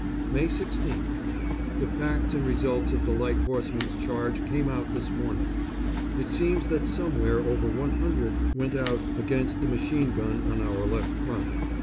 May 16th. The facts and results of the Light Horsemen's charge came out this morning. It seems that somewhere over one hundred went out against the machine gun on our left front.